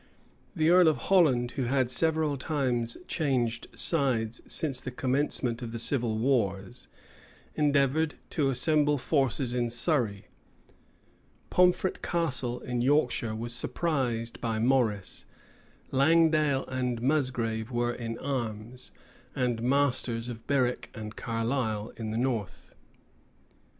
The earl of Holland, who had several times changed sides since the commencement of the civil wars, endeavored to assemble forces in Surrey. Pomfret Castle, in Yorkshire, was surprised by Morrice. Langdale and Musgrave were in arms, and masters of Berwick and Carlisle in the north.